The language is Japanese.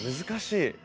難しい。